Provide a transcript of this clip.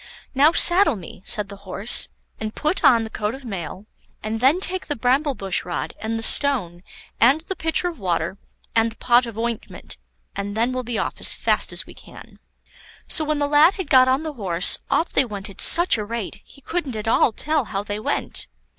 "Now saddle me," said the Horse, "and put on the coat of mail, and then take the bramble bush rod, and the stone, and the pitcher of water, and the pot of ointment, and then we'll be off as fast as we can." So when the lad had got on the horse, off they went at such a rate, he couldn't at all tell how they went.